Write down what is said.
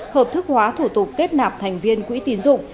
hợp thức hóa thủ tục kết nạp thành viên quỹ tín dụng